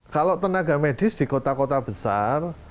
kalau tenaga medis di kota kota besar